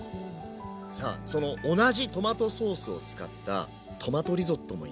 さあその同じトマトソースを使ったトマトリゾットも頂いていきますね。